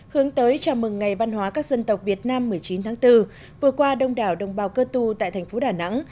hướng tới chào mừng ngày văn hóa các dân tộc việt nam một mươi chín tháng bốn vừa qua đông đảo đồng bào cơ tu tại thành phố đà nẵng